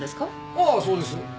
ああそうです。